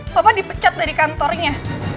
papa dipecat dari kantornya